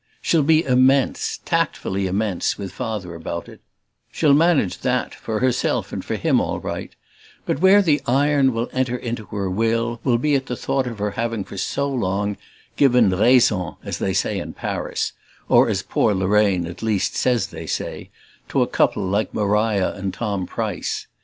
She'll be immense "tactfully" immense, with Father about it she'll manage that, for herself and for him, all right; but where the iron will enter into her will be at the thought of her having for so long given raison, as they say in Paris or as poor Lorraine at least says they say to a couple like Maria and Tom Price.